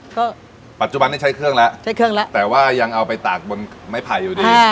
ก็ปัจจุบันนี้ใช้เครื่องแล้วใช้เครื่องแล้วแต่ว่ายังเอาไปตากบนไม้ไผ่อยู่ดี